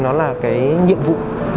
nó là cái nhiệm vụ